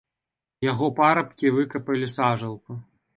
Яго парабкі выкапалі сажалку.